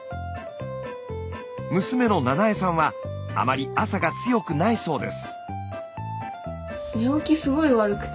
娘の菜奈恵さんはあまり朝が強くないそうです。